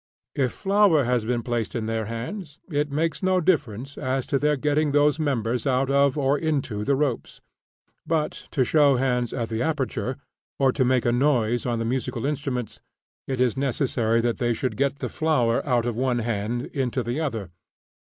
If flour has been placed in their hands, it makes no difference as to their getting those members out of or into the ropes; but, to show hands at the aperture, or to make a noise on the musical instruments, it is necessary that they should get the flour out of one hand into the other.